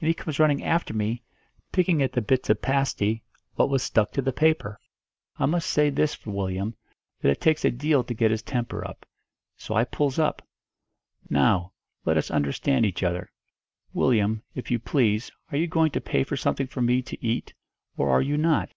And he comes running after me, picking at the bits of pasty what was stuck to the paper; I must say this for Willyum, that it takes a deal to get his temper up. So I pulls up. 'Now, let us understand each other. Willyum, if you please, are you going to pay for something for me to eat, or are you not?'